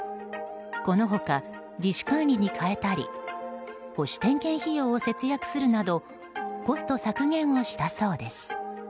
この他、自主管理に変えたり保守点検費用を節約するなどコスト削減をしたそうです。